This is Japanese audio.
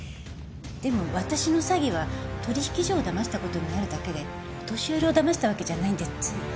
でも私の詐欺は取引所をだました事になるだけでお年寄りをだましたわけじゃないんでつい。